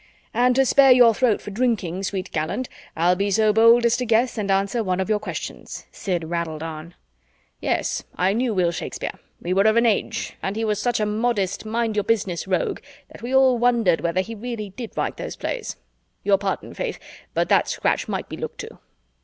"And to spare your throat for drinking, sweet gallant, I'll be so bold as to guess and answer one of your questions," Sid rattled on. "Yes, I knew Will Shakespeare we were of an age and he was such a modest, mind your business rogue that we all wondered whether he really did write those plays. Your pardon, 'faith, but that scratch might be looked to."